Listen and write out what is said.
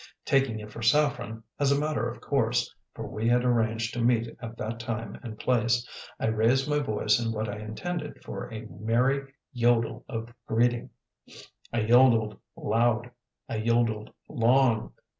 Taking it for Saffren, as a matter of course (for we had arranged to meet at that time and place), I raised my voice in what I intended for a merry yodel of greeting. I yodeled loud, I yodeled long.